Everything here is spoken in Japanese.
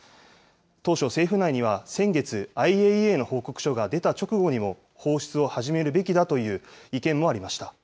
当初、政府内には先月、ＩＡＥＡの報告書が出た直後にも、放出を始めるべきだという意見もありました。